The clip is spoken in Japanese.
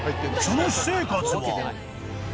その私生活は